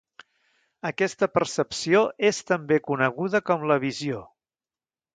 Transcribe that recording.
Aquesta percepció és també coneguda com la visió.